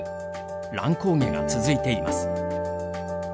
乱高下が続いています。